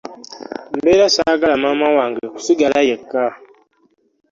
Mbera sagala maama wange kusigala yekka .